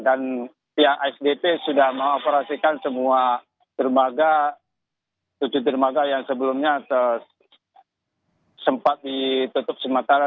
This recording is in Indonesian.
dan pihak sdp sudah mengoperasikan semua dermaga tujuh dermaga yang sebelumnya sempat ditutup semata